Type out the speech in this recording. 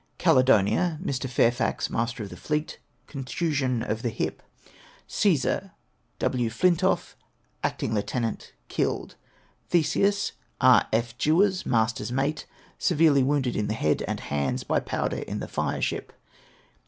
Caledonia,, Mr. Fairfax, Master of the fleet ; contusion of the hip. Ca'sai', W. Flintoft, Acting Lieut. ; killed. Theseus, E. F. Jewers, Master's ]Mate ; severely wounded in the head and hands by powder in the fireship.